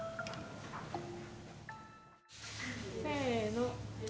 せの。